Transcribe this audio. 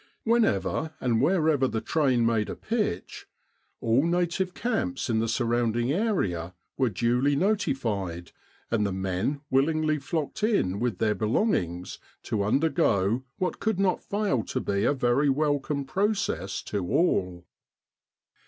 Whenever, and wherever the train made a pitch, 299 With the R.A.M.C. in Egypt all native camps in the surrounding area were duly ratified, and the men willingly flocked in with their belongings to undergo what could not fail to be a very welcome process to all.